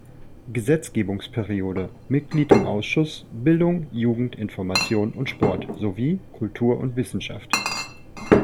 Gesetzgebungsperiode Mitglied im Ausschuss „Bildung, Jugend, Information und Sport“ sowie „Kultur und Wissenschaft“.